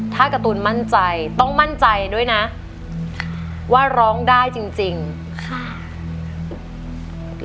ถ้าการ์ตูนมั่นใจต้องมั่นใจด้วยนะว่าร้องได้จริงจริงค่ะ